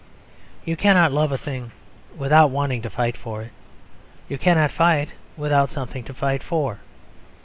You cannot love a thing without wanting to fight for it. You cannot fight without something to fight for.